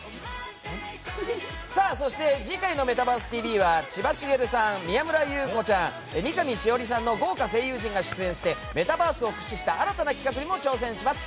そして、次回の「メタバースＴＶ！！」は千葉繁さん、宮村優子ちゃん三上枝織さんの豪華声優陣が出演してメタバースを駆使した新たな企画にも挑戦します。